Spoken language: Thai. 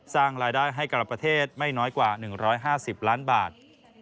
สร้างรายได้ให้กับประเทศไม่น้อยกว่า๑๕๐ล้านบาท